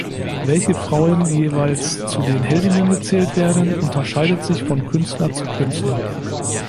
Welche Frauen jeweils zu den Heldinnen gezählt werden, unterscheidet sich von Künstler zu Künstler.